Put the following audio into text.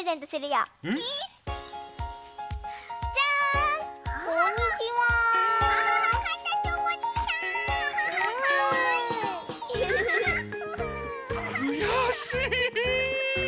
よし！